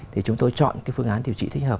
thì chúng tôi chọn cái phương án điều trị thích hợp